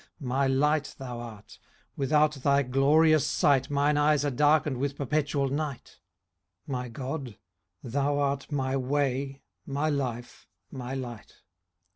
My light thou art ;' without thy glorious sight, My eyes are darkened with perpetual night. My GOD, thou art my way, my life, my light.